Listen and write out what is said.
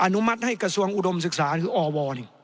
อนุมัติให้กระทรวงอุดมศึกษาหรืออว